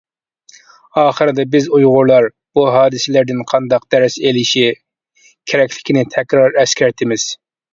ئاخىردا بىز ئۇيغۇرلار بۇ ھادىسىلەردىن قانداق دەرس ئېلىشى كېرەكلىكىنى تەكرار ئەسكەرتىمىز!